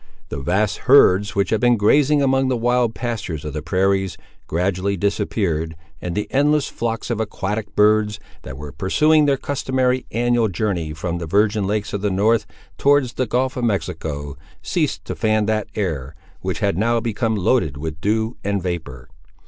The vast herds which had been grazing among the wild pastures of the prairies, gradually disappeared, and the endless flocks of aquatic birds, that were pursuing their customary annual journey from the virgin lakes of the north towards the gulf of Mexico, ceased to fan that air, which had now become loaded with dew and vapour.